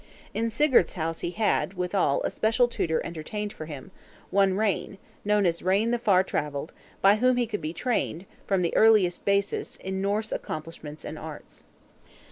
In Sigurd's house he had, withal, a special tutor entertained for him, one Rane, known as Rane the Far travelled, by whom he could be trained, from the earliest basis, in Norse accomplishments and arts.